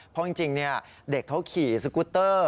เพราะจริงเด็กเขาขี่สกุตเตอร์